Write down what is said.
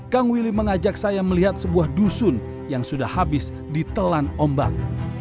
kang willy mengajak saya melihat sebuah dusun yang sudah habis ditelan ombak